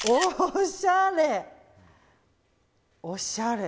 おしゃれ！